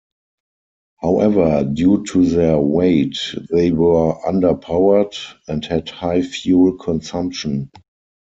However, due to their weight they were underpowered and had high fuel consumption.